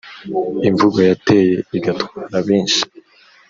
imvugo yateye igatwara benshi